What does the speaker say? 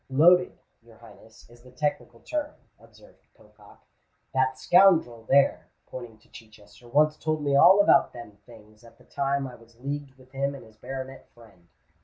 "Loaded, your Highness, is the technical term, observed Pocock. "That scoundrel there," pointing to Chichester, "once told me all about them things, at the time I was leagued with him and his baronet friend."